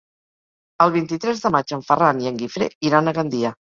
El vint-i-tres de maig en Ferran i en Guifré iran a Gandia.